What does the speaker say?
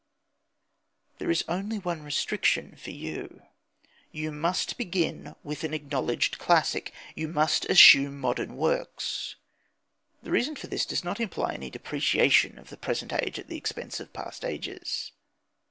There is only one restriction for you. You must begin with an acknowledged classic; you must eschew modern works. The reason for this does not imply any depreciation of the present age at the expense of past ages.